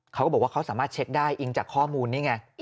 เขาก็บอกว่าเขาสามารถเช็คได้อิงจากข้อมูลนี้ไง